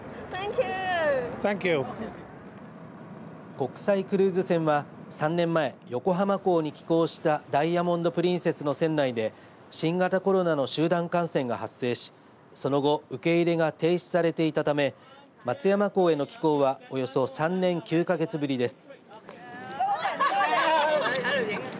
国際クルーズ船は３年前横浜港に寄港したダイヤモンド・プリンセスの船内で新型コロナの集団感染が発生しその後受け入れが停止されていたため松山港への寄港はおよそ３年９か月ぶりです。